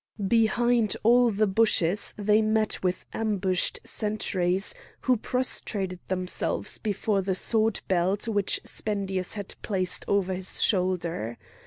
Behind all the bushes they met with ambushed sentries, who prostrated themselves before the sword belt which Spendius had placed over his shoulder.